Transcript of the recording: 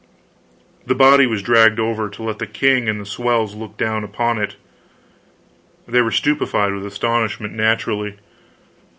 The body was dragged over to let the king and the swells look down upon it. They were stupefied with astonishment naturally.